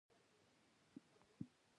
دوی د وروسته پاتې هېوادونو خلک غولوي